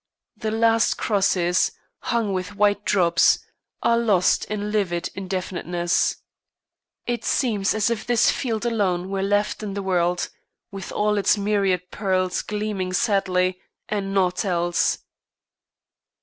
The last crosses, hung with white drops, are lost in livid indefiniteness. It seems as if this field alone were left in the world, with all its myriad pearls gleaming sadly, and naught else.